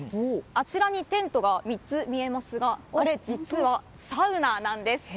あちらにテントが３つ見えますがあれ、実はサウナなんです。